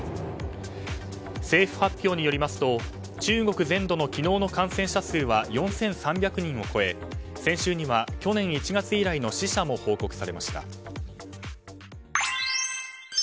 政府発表によりますと中国全土の昨日の感染者数は４３００人を超え先週には去年１月以来の死者も報告されました。